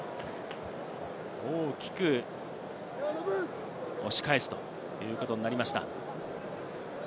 大きく押し返すということになりました。